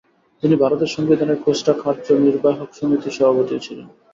তিনি ভারতের সংবিধানের খসড়া কার্যনির্বাহক সমিতির সভাপতিও ছিলেন।